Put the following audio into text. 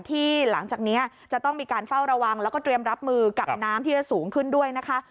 หลังจากนี้จะต้องมีการเฝ้าระวังแล้วก็เตรียมรับมือกับน้ำที่จะสูงขึ้นด้วยนะคะ